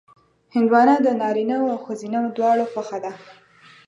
هندوانه د نارینهوو او ښځینهوو دواړو خوښه ده.